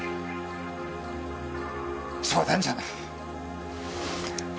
冗談じゃない！